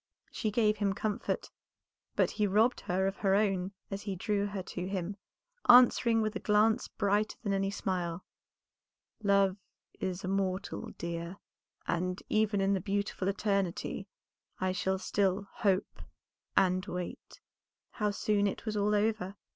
She gave him comfort, but he robbed her of her own as he drew her to him, answering with a glance brighter than any smile "Love is immortal, dear, and even in the 'beautiful eternity' I shall still hope and wait." How soon it was all over!